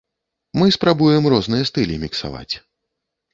Мы спрабуем розныя стылі міксаваць.